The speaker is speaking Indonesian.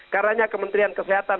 karena kementerian kesehatan